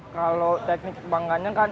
kalau teknik panggangnya